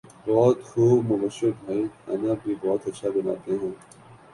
بہت خوب مبشر بھائی کھانا بھی بہت اچھا بناتے ہیں